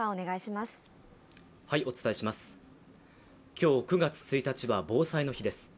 今日、９月１日は防災の日です